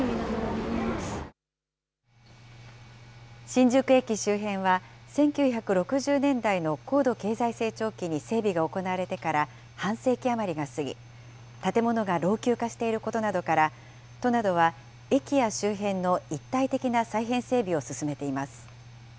新宿駅周辺は、１９６０年代の高度経済成長期に整備が行われてから半世紀余りが過ぎ、建物が老朽化していることなどから、都などは駅や周辺の一体的な再編整備を進めています。